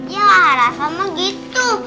ya rasa mah gitu